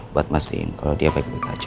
buat mesin kalau dia baik baik aja